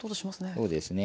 そうですね。